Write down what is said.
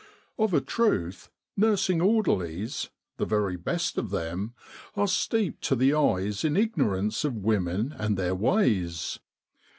11 Of a truth, nursing orderlies, the very best of them, are steeped to the eyes in ignorance of women and their ways.